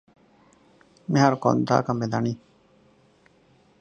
އަޅުގަނޑުމެން މީސްމީހުންނަށް ކިޔާފައި ހުންނަ ނަންތައް މީހަކަށް އަޑުއިވުނަސް ހީނހީނ އަވަދިވެދާނެ